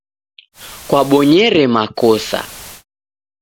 Kwabonyere makosa.